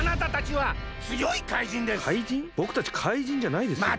ぼくたち怪人じゃないですよ。